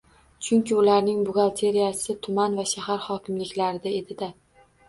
Chunki ularning buxgalteriyasi tuman va shahar hokimliklarida edi-da.